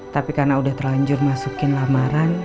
tapi karena udah terlanjur masukin lamaran